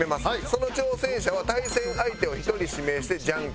その挑戦者は対戦相手を１人指名してジャンケン。